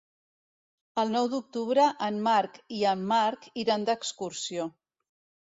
El nou d'octubre en Marc i en Marc iran d'excursió.